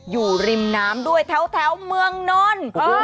อยู่ริมน้ำด้วยแถวเมืองนนท์